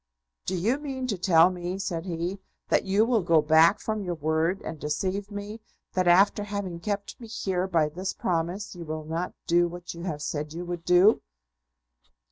"Do you mean to tell me," said he, "that you will go back from your word, and deceive me; that after having kept me here by this promise, you will not do what you have said you would do?"